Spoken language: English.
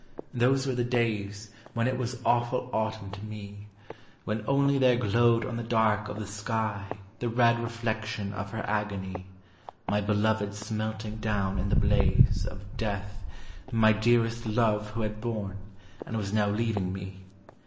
Those were the days When it was awful autumn to me, When only there glowed on the dark of the sky The red reflection of her agony, My beloved smelting down in the blaze Of death my dearest Love who had borne, and was now leaving me.